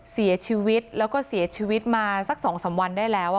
เสียชีวิตแล้วก็เสียชีวิตมาสัก๒๓วันได้แล้ว